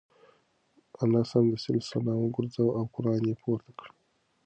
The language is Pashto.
انا سمدستي سلام وگرځاوه او قران یې پورته کړ.